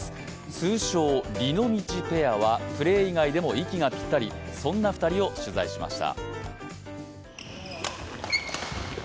通称・りのみちペアはプレー以外でも息がぴったりそんな２人を取材しました。